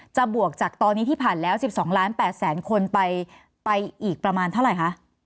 บวกจากตอนนี้ที่ผ่านแล้ว๑๒ล้าน๘แสนคนไปอีกประมาณเท่าไหร่คะ